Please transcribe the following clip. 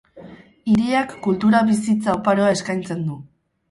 Hiriak kultura bizitza oparoa eskaintzen du.